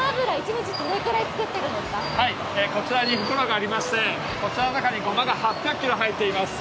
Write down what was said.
こちらに袋がありまして、こちらにごまが８００ｋｇ入っています。